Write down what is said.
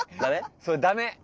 それダメ。